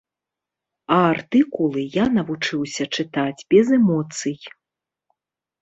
А артыкулы я навучыўся чытаць без эмоцый.